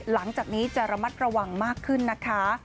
หลังจากนี้จะระมัดระวังมากขึ้นนะคะ